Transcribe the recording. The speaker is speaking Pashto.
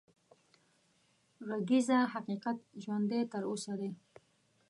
غږېږه حقيقت ژوندی تر اوسه دی